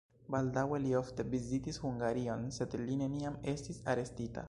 Baldaŭe li ofte vizitis Hungarion, sed li neniam estis arestita.